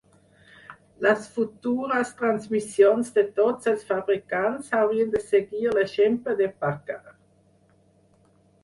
Les futures transmissions de tots els fabricants haurien de seguir l'exemple de Packard.